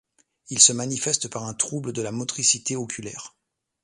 Il se manifeste par un trouble de la motricité oculaire.